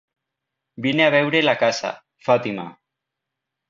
Vine a veure la casa, Fàtima.